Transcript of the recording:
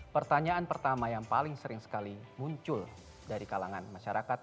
pertanyaan pertama yang paling sering sekali muncul dari kalangan masyarakat